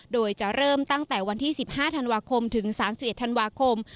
โดยจะเริ่มตั้งแต่วันที่๑๕ธันวาคมถึง๓๑ธันวาคม